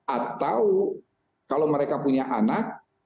atau kalau mereka punya anak